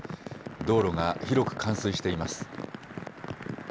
道路が広く冠水しています。